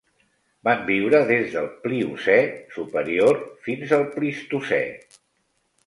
Van viure des del Pliocè superior fins al Plistocè.